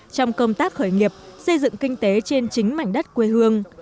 trong công tác khởi nghiệp xây dựng kinh tế trên chính mảnh đất quê hương